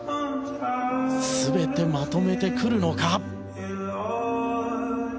全てまとめてくるのか。